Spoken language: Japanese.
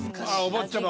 お坊ちゃま？